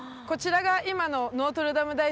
こちらが今のノートルダム